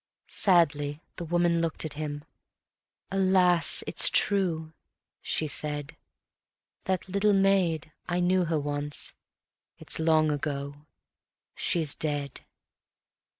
Sadly the woman looked at him: "Alas! it's true," she said; "That little maid, I knew her once. It's long ago she's dead."